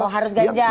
oh harus ganjar